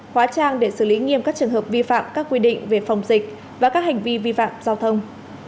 hóa trang để xử lý nghiêm các trường hợp vi phạm các quy định về phòng dịch và các hành vi vi phạm giao thông